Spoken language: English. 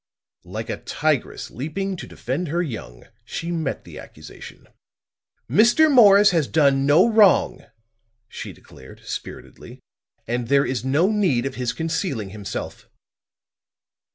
Like a tigress leaping to defend her young, she met the accusation. "Mr. Morris has done no wrong," she declared, spiritedly. "And there is no need of his concealing himself."